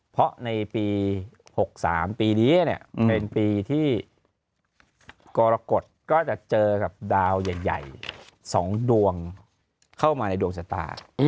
เพราะในปี๖๓ปีนี้เป็นปีที่กรกฎก็จะเจอกับดาวใหญ่๒ดวงเข้ามาในดวงชะตา